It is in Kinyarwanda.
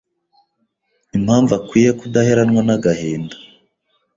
impamvu akwiye kudaheranwa n’agahinda